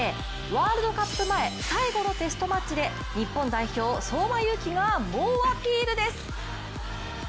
ワールドカップ前、最後のテストマッチで日本代表、相馬勇紀が猛アピールです。